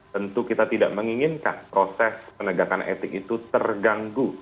tentu kita tidak menginginkan proses penegakan etik itu terganggu